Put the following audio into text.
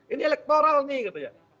ini elektoral nih gitu ya